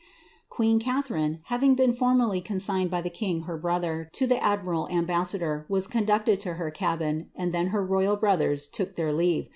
*' Queen Catharine having been formally consigned by the ! brother, to the admiral ambassador, was conducted to her c then her royal brothers took tlieir leave of her.